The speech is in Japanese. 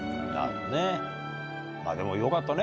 でもよかったね